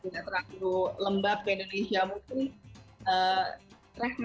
gak terlalu lembab kayak di indonesia mungkin